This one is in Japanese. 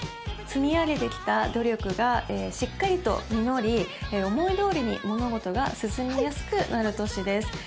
積み上げてきた努力がしっかりと実り思いどおりに物事が進みやすくなる年です